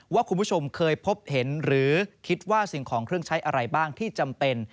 ว่าคุณผู้ชมเคยพบเห็นหรือคิดว่าสิ่งของเครื่องใช้อะไรบ้างที่จำเป็น